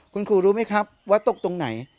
คุณครูรู้ไหมครับว่าตกตรงไหน